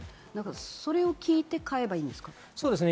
それを聞いて買えばいいんですか？